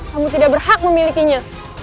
kamu tidak berhak memilikinya